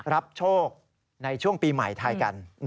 รับโชคในช่วงปีใหม่ไทยกัน